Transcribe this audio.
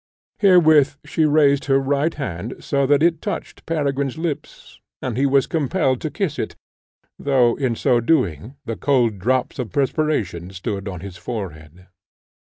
Herewith she raised her right hand, so that it touched Peregrine's lips, and he was compelled to kiss it, though, in so doing, the cold drops of perspiration stood on his forehead.